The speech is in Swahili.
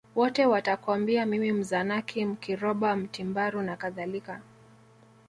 Wote watakwambia mimi Mzanaki Mkiroba Mtimbaru nakadhalika